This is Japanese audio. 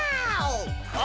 お！